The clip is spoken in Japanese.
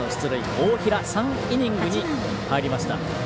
大平、３イニングに入りました。